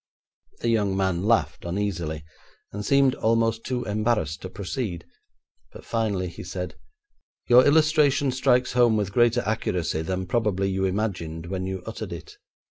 The young man laughed uneasily, and seemed almost too embarrassed to proceed, but finally he said: 'Your illustration strikes home with greater accuracy than probably you imagined when you uttered it.